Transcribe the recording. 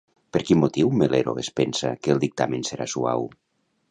Per quin motiu Melero es pensa que el dictamen serà suau?